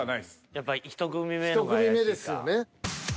やっぱ１組目ですよね。